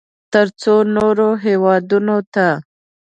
ترڅو نورو هېوادونو ته